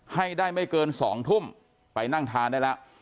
ให้ได้ไม่เกิน๒ทุ่มไปนั่งทานได้แล้ว